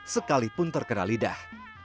sekalipun terkena lidah